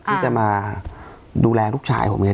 ที่จะมาดูแลลูกฉายผมเนี่ย